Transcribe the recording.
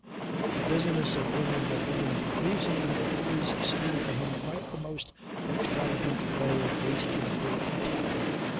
The business of bringing a woman to reason had always seemed to him quite the most extravagant way of wasting good time.